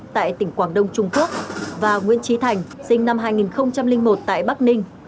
tại tỉnh quảng đông trung quốc và nguyễn trí thành sinh năm hai nghìn một tại bắc ninh